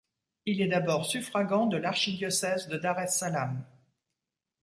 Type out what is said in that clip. Il est d'abord suffragant de l'archidiocèse de Dar-es-Salam.